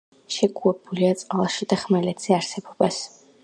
შეგუებულია წყალში და ხმელეთზე არსებობას.